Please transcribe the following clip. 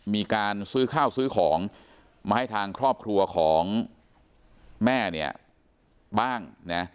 มีการซื้อข้าวซื้อของมาให้ทางครอบครัวของแม่เนี่ยบ้างนะ